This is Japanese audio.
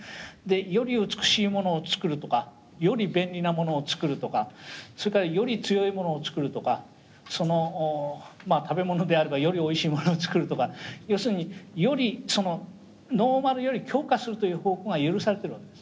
「より美しいものを作る」とか「より便利なものを作る」とかそれから「より強いものを作る」とか食べ物であれば「よりおいしいものを作る」とか要するに「よりノーマルより強化する」という方向が許されてるわけです。